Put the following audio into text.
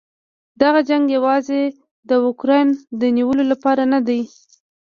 دغه جنګ یواځې د اوکراین د نیولو لپاره نه دی.